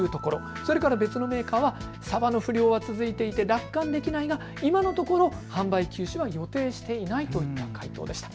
それから別のメーカーはサバの不漁が続いていて楽観できないが今のところ販売休止は予定していないというような回答でした。